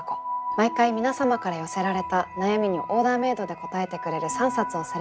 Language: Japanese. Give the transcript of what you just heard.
毎回皆様から寄せられた悩みにオーダーメードで答えてくれる３冊をセレクトしてご紹介します。